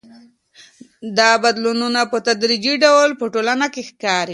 دا بدلونونه په تدريجي ډول په ټولنه کي ښکاري.